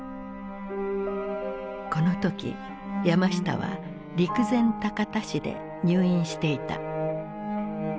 この時山下は陸前高田市で入院していた。